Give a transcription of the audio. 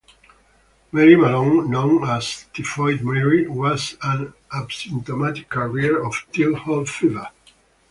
Mary Mallon, known as "Typhoid Mary", was an asymptomatic carrier of typhoid fever.